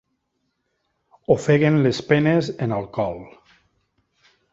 Ofeguen les penes en alcohol.